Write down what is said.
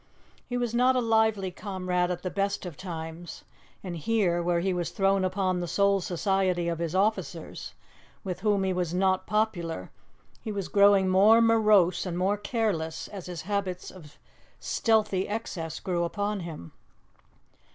He was not a lively comrade at the best of times, and here, where he was thrown upon the sole society of his officers, with whom he was not popular, he was growing more morose and more careless as his habits of stealthy excess grew upon him.